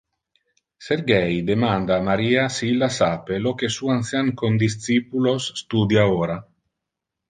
Sergey demanda a Maria si illa sape lo que su ancian condiscipulos studia ora.